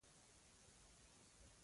فلم د کیمرې سترګه ده